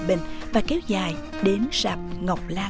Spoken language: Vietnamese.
xin chào các bạn hẹn gặp lại